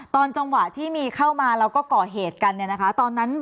ตอนจังหวะที่มีเข้ามาเราก็เกาะเหตุกันเนี่ยนะคะ